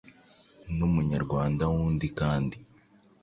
N’umunyarwanda wundi kandi.